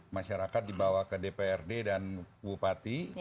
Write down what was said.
masyarakat dibawa ke dprd dan bupati